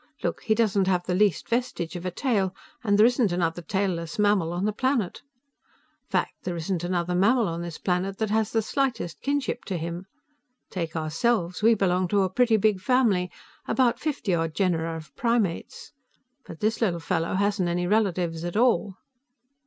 Look, he doesn't have the least vestige of a tail, and there isn't another tailless mammal on the planet. Fact, there isn't another mammal on this planet that has the slightest kinship to him. Take ourselves; we belong to a pretty big family, about fifty odd genera of primates. But this little fellow hasn't any relatives at all."